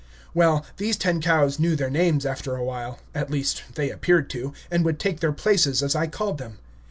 Well, these ten cows knew their names after a while, at least they appeared to, and would take their places as I called them.